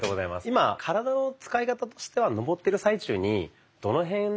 今体の使い方としては上ってる最中にどの辺の？